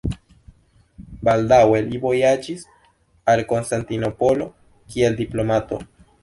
Baldaŭe li vojaĝis al Konstantinopolo, kiel diplomato.